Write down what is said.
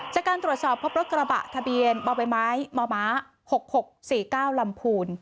จากการตรวจสอบพบรถกระบะทะเบียนบมหมาหกหกสี่เก้าลำภูนิ